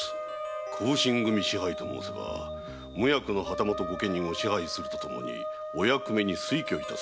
小普請組支配と申せば無役の旗本御家人を支配するとともにお役目に推挙いたす職責。